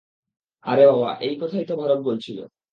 আরে বাবা, এই কথাই তো ভারত বলছিলো।